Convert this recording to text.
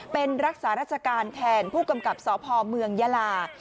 เป็นรักษาราชการแทนผู้กำกับสพเมืองยาลา